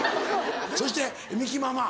そしてみきママ